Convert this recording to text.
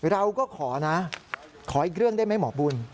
เราก็ขอนะขออีกเรื่องได้ไหมหมอบุญ